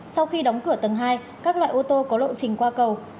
sau khi đóng cửa tầng hai các loại ô tô có lộ trình qua cầu